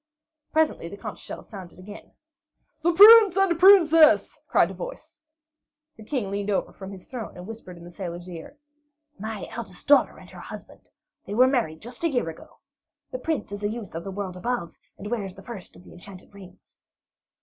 Presently the conch shells sounded again. "The Prince and the Princess!" cried a voice. The King leaned over from his throne and whispered in the sailor's ear: "My eldest daughter and her husband. They were married just a year ago. The Prince is a youth of the world above, and wears the first of the enchanted rings."